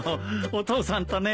お父さんとね。